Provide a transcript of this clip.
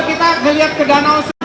suka kita ngeliat ke danau